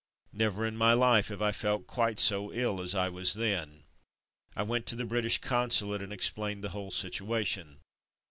Never in my life have I felt quite so ill as I was then. I went to the British Consulate and explained the whole situation.